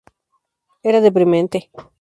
Era deprimente.